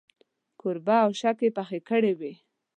کوربه اشکې پخې کړې وې.